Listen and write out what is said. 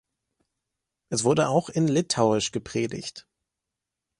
Es wurde auch in Litauisch gepredigt.